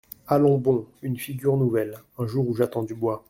Allons bon ! une figure nouvelle ! un jour où j’attends du bois !